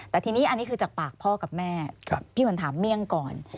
แต่ทีนี้อันนี้คือจากปากพ่อกับแม่พี่ขวัญถามเมี่ยงก่อน